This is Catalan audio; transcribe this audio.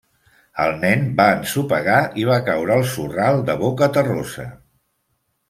El nen va ensopegar i va caure al sorral de bocaterrosa.